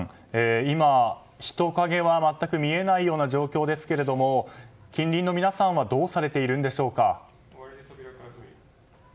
今、人影は全く見えない状況ですが近隣の皆さんはどうされているんでしょうか。